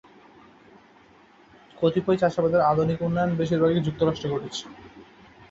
কতিপয় চাষাবাদের আধুনিক উন্নয়ন বেশিরভাগই যুক্তরাষ্ট্রে ঘটেছে।